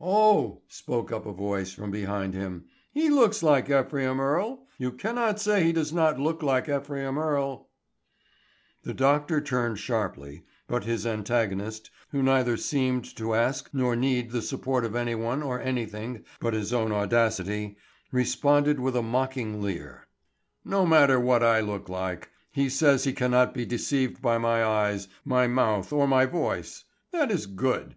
"Oh," spoke up a voice from behind, "he looks like Ephraim Earle. You cannot say he does not look like Ephraim Earle." The doctor turned sharply, but his antagonist, who neither seemed to ask nor need the support of any one or anything but his own audacity, responded with a mocking leer: "No matter what I look like. He says he cannot be deceived by my eyes, my mouth, or my voice. That is good.